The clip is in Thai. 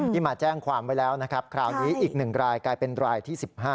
ที่มาแจ้งความไปแล้วคราวนี้อีกหนึ่งรายกลายเป็นรายที่๑๕